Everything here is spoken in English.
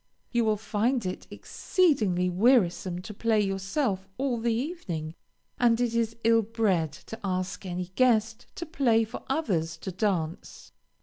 You will find it exceedingly wearisome to play yourself all the evening, and it is ill bred to ask any guest to play for others to dance.